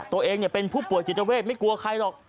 ตัวเองเป็นผู้ป่วยจิตเวทไม่กลัวใครหรอก